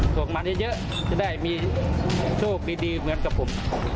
ส่งมาเยอะจะได้มีโชคดีเหมือนกับผม